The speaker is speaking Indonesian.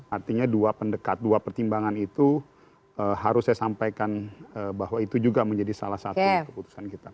artinya dua pendekat dua pertimbangan itu harus saya sampaikan bahwa itu juga menjadi salah satu keputusan kita